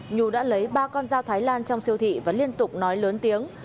nhu đã lấy ba con dao thái lan trong siêu thị và liên tục nói lớn tiếng